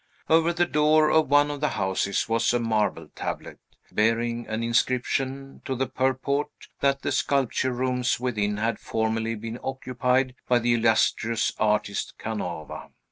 Over the door of one of the houses was a marble tablet, bearing an inscription, to the purport that the sculpture rooms within had formerly been occupied by the illustrious artist Canova.